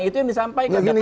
itu yang disampaikan